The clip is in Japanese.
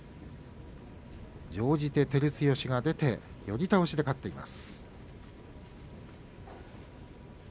乗じて照強が出て寄り倒しで勝っています。